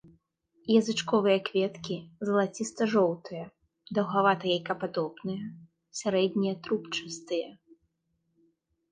Язычковыя кветкі залаціста-жоўтыя, даўгавата-яйкападобныя, сярэднія трубчастыя.